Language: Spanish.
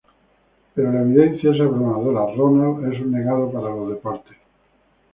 Pero la evidencia es abrumadora: Ronald es un negado para los deportes.